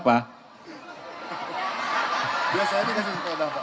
biasanya dikasih sempurna pak